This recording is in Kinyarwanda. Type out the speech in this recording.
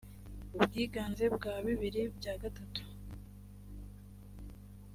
ubwiganze bwa bibiri bya gatatu